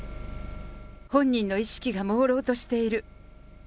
本人の意識がもうろうとしている。